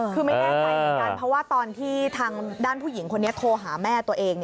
คือไม่แน่ใจเหมือนกันเพราะว่าตอนที่ทางด้านผู้หญิงคนนี้โทรหาแม่ตัวเอง